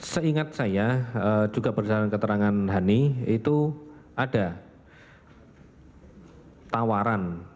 seingat saya juga berdasarkan keterangan hani itu ada tawaran